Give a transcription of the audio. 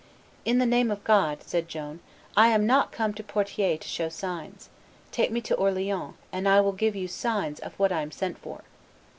"In the name of God," said Joan, "I am not come to Poitiers to show signs; take me to Orleans, and I will give you signs of what I am sent for.